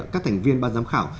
các thành viên ban giám khảo